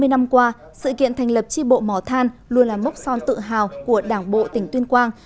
hai mươi năm qua sự kiện thành lập tri bộ mò than luôn là mốc son tự hào của đảng bộ tỉnh tuyên quang